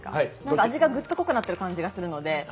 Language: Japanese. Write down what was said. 味がグッと濃くなってる感じがするので。